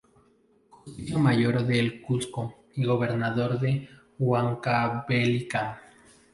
Justicia mayor del Cuzco y gobernador de Huancavelica.